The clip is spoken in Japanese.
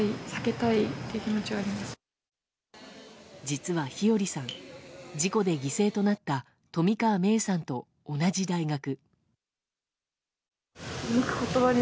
実は日和さん事故で犠牲となった冨川芽生さんと同じ大学。